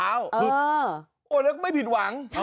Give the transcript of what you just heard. แล้วไม่ผิดหวัง